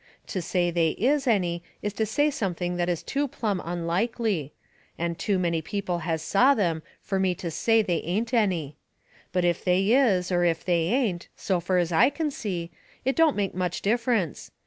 To say they is any is to say something that is too plumb unlikely. And too many people has saw them fur me to say they ain't any. But if they is, or they ain't, so fur as I can see, it don't make much difference.